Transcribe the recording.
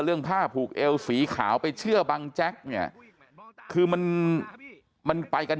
ผ้าผูกเอวสีขาวไปเชื่อบังแจ๊กเนี่ยคือมันมันไปกัน